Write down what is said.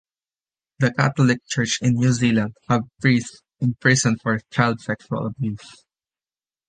The Catholic Church in New Zealand had priests imprisoned for child sexual abuse.